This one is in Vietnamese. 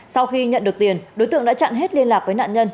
sau khi nhận được tiền đối tượng đã chặn hết liên lạc với nạn nhân